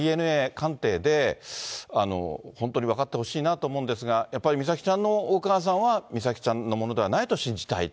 ＤＮＡ鑑定で、本当に分かってほしいなと思うんですが、やっぱり、美咲ちゃんのお母さんは、美咲ちゃんのものではないと信じたい。